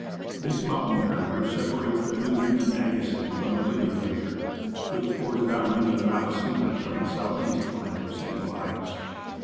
This mountain barrier separates the Newton and Agassiz from the Libbey Glacier, which pours down into the Malaspina from the south east flank of St. Elias.